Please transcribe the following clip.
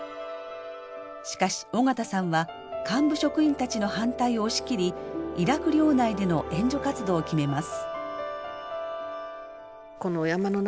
しかし緒方さんは幹部職員たちの反対を押し切りイラク領内での援助活動を決めます。